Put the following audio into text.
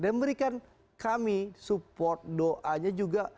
dan berikan kami support doanya juga